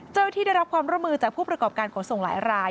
ที่ได้รับความร่วมมือจากผู้ประกอบการขนส่งหลายราย